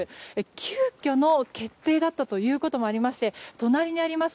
急きょの決定だったということもありまして隣にあります